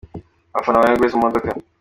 Abafana ba Young Grace mu modoka.